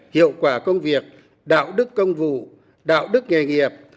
hiệu quả công việc đạo đức công vụ đạo đức nghề nghiệp